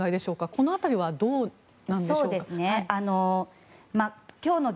この辺りはどうなんでしょうか。